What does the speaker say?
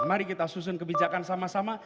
mari kita susun kebijakan sama sama